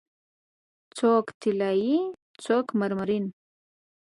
څوک طلایې، څوک مرمرین